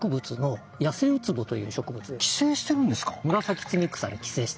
え植物に寄生してるんですか？